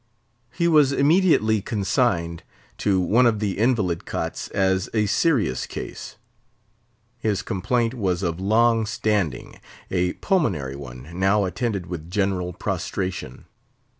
He was immediately consigned to one of the invalid cots as a serious case. His complaint was of long standing; a pulmonary one, now attended with general prostration.